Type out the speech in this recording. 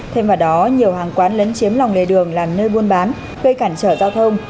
thêm vào đó nhiều hàng quán lấn chiếm lòng lề đường làm nơi buôn bán gây cản trở giao thông